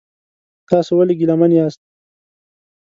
تاسو ولې ګیلمن یاست؟